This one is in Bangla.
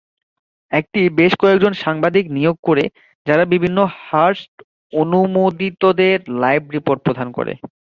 এটি বেশ কয়েকজন সাংবাদিক নিয়োগ করে যারা বিভিন্ন হার্স্ট অনুমোদিতদের লাইভ রিপোর্ট প্রদান করে।